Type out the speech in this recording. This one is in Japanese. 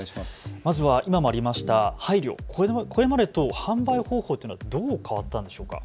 まずは今もあった配慮、これまでと販売方法はどのように変わったんでしょうか。